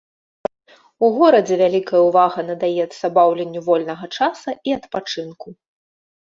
У горадзе вялікая ўвага надаецца баўленню вольнага часу і адпачынку.